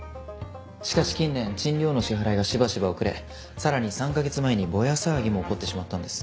しかし近年賃料の支払いがしばしば遅れさらに３カ月前にボヤ騒ぎも起こってしまったんです。